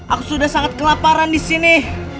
aku sudah sangat kelaparan disini